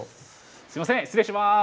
すいません失礼します。